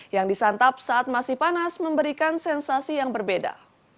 yang disantap saat masih panas memberikan sensasi yang berbeda